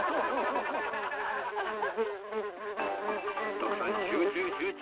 徳さん集中集中